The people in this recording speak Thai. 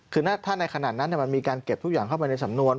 คือถ้าในขณะนั้นมันมีการเก็บทุกอย่างเข้าไปในสำนวน